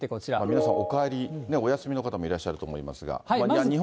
皆さん、お帰り、お休みの方もいらっしゃると思いますが。